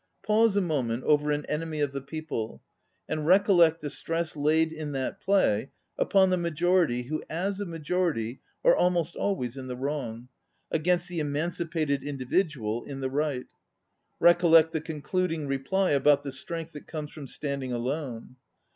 Pause a moment over 4S ON READING "An Enemy of the People," and recollect the stress laid in that play upon the majority who as a major ity are almost always in the wrong, against the emancipated individual, in the right; recollect the concluding reply about the strength that comes from standing alone.